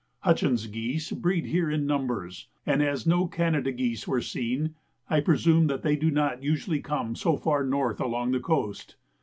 Hutchins geese breed here in numbers, and as no Canada geese were seen, I presume that they do not usually come so far north along the coast.